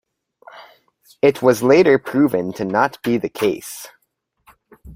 It was later proven to not be the case.